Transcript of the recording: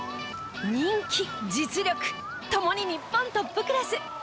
人気実力ともに日本トップクラス！